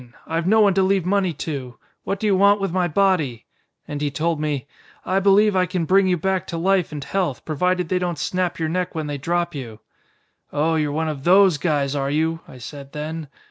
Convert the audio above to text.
I've no one to leave money to. What do you want with my body?' And he told me, 'I believe I can bring you back to life and health, provided they don't snap your neck when they drop you.' 'Oh, you're one of those guys, are you?' I said then.